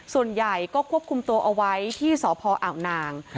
ส่วนใหญ่ก็ควบคุมตัวเอาไว้ที่สพอ่าวนาง